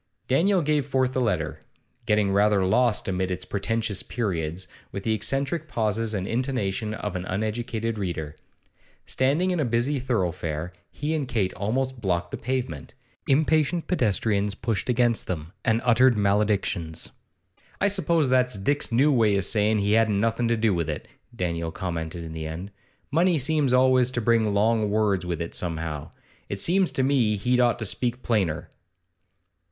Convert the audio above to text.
Daniel gave forth the letter, getting rather lost amid its pretentious periods, with the eccentric pauses and intonation of an uneducated reader. Standing in a busy thoroughfare, he and Kate almost blocked the pavement; impatient pedestrians pushed against them, and uttered maledictions. 'I suppose that's Dick's new way o' sayin' he hadn't nothin' to do with it,' Daniel commented at the end. 'Money seems always to bring long words with it somehow. It seems to me he'd ought to speak plainer.